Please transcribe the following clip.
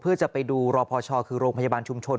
เพื่อจะไปดูรอพชคือโรงพยาบาลชุมชน